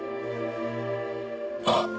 ああ。